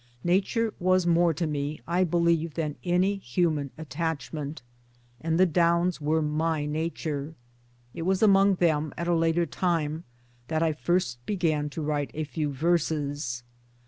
Nature was more to me, I believe, than any human attachment, and the Downs were my Nature. It was among them at a later time that I first began to write a few verses.